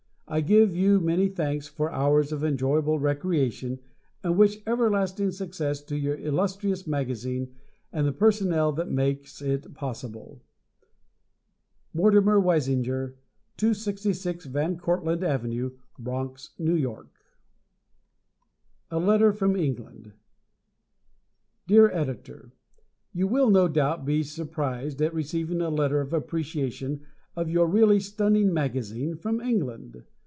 I give you many thanks for hours of enjoyable recreation, and wish everlasting success to your illustrious magazine and the personnel that makes it possible. Mortimer Weisinger, 266 Van Cortland Ave., Bronx, N. Y. A Letter from England Dear Editor: You will no doubt be surprised at receiving a letter of appreciation of your really stunning magazine from England.